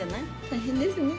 大変ですね